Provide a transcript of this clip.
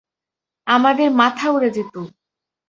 আমাদের মাথা উড়ে যেতো!